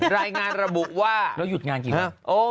รายงานระบุว่าแล้วหยุดงานกี่ครั้ง